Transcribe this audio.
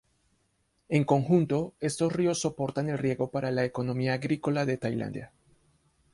En conjunto, estos ríos soportan el riego para la economía agrícola de Tailandia.